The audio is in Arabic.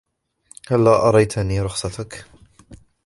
هلا أريتني رخصتك ؟